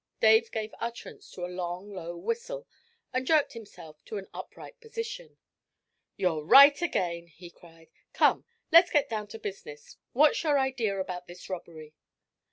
Dave gave utterance to a long, low whistle, and jerked himself to an upright position. 'You're right again!' he cried. 'Come, let's get down to business. What's your idea about this robbery?'